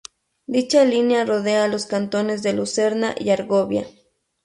Dicha línea rodea a los cantones de Lucerna y Argovia.